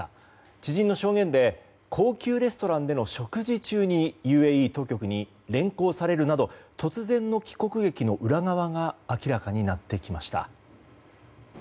知人の証言で高級レストランでの食事中にＵＡＥ当局に連行されるなど突然の帰国劇の裏側が明らかになってきました。